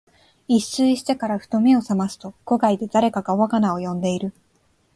一睡してから、ふと眼めを覚ますと、戸外で誰かが我が名を呼んでいる。